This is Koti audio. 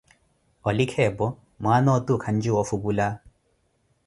Olikha epo, mwaana otu khancuya ofupula.